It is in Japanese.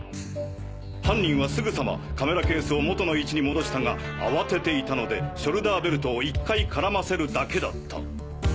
犯人はすぐさまカメラケースを元の位置に戻したが慌てていたのでショルダーベルトを１回絡ませるだけだった。